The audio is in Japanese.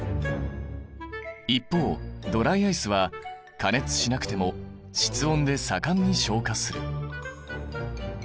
一方ドライアイスは加熱しなくても室温で盛んに昇華する。